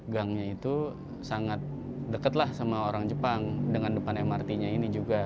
gangnya itu sangat dekat lah sama orang jepang dengan depan mrt nya ini juga